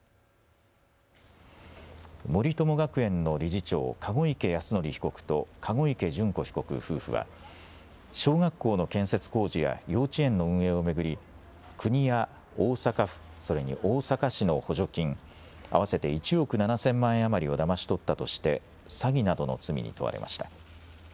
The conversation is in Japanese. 森友学園の理事長、籠池泰典被告と籠池諄子被告夫婦は小学校の建設工事や幼稚園の運営を巡り国や大阪府、それに大阪市の補助金合わせて１億７０００万円余りをだまし取ったとして詐欺などの罪に問われました。